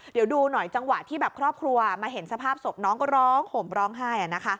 เดี๋ยวดูหน่อยจังหวะที่แบบครอบครัวมาเห็นสภาพศพน้องก็ร้องห่มร้องไห้